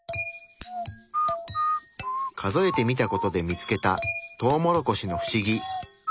数えてみた事で見つけたトウモロコシのフシギ。